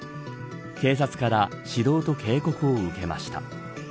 警察から指導と警告を受けました。